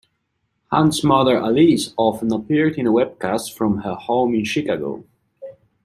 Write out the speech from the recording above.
Hunt's mother Alice often appeared in webcasts from her home in Chicago.